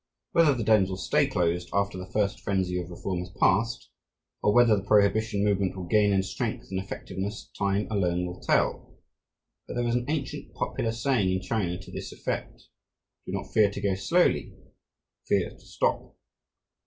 Whether the dens will stay closed, after the first frenzy of reform has passed, or whether the prohibition movement will gain in strength and effectiveness, time alone will tell. But there is an ancient popular saying in China to this effect, "Do not fear to go slowly; fear to stop."